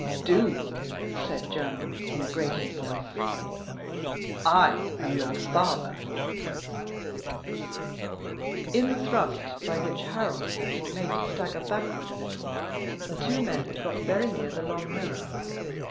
"Do," said Jermyn, in a grating voice; "I am your father." In the thrust by which Harold had been made to stagger backward a little, the two men had got very near the long mirror.